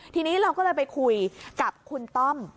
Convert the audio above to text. ทีนี้เราก็เลยไปคุยกับคุณต้อม